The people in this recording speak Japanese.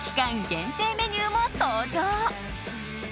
限定メニューも登場。